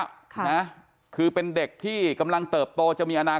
กลุ่มวัยรุ่นกลัวว่าจะไม่ได้รับความเป็นธรรมทางด้านคดีจะคืบหน้า